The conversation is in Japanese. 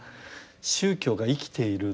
宗教が生きているって。